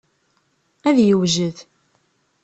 Ad yewjed.